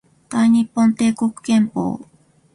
大日本帝国憲法